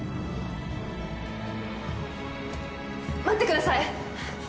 待ってください！